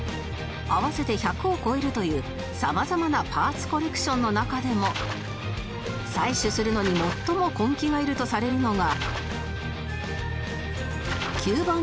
合わせて１００を超えるという様々なパーツコレクションの中でも採取するのに最も根気がいるとされるのが